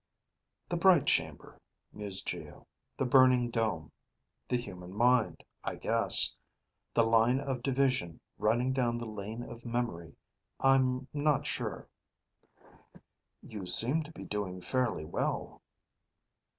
"The bright chamber," mused Geo. "The burning dome. The human mind, I guess. The line of division, running down the lane of memory I'm not sure." "You seem to be doing fairly well."